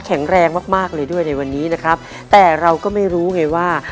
แข็งแรงมากมากเลยด้วยในวันนี้นะครับแต่เราก็ไม่รู้ไงว่า